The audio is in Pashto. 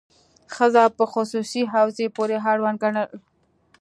ښځه په خصوصي حوزې پورې اړونده ګڼل.